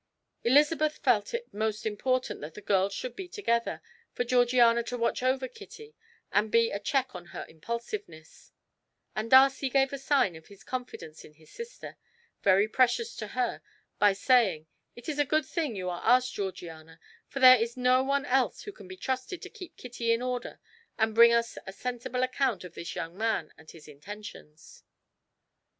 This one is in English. Elizabeth felt it most important that the girls should be together, for Georgiana to watch over Kitty and be a check on her impulsiveness; and Darcy gave a sign of his confidence in his sister, very precious to her, by saying: "It is a good thing you are asked, Georgiana, for there is no one else who can be trusted to keep Kitty in order and bring us a sensible account of this young man and his intentions."